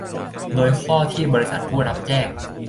โดยข้อที่บริษัทผู้รับแจ้ง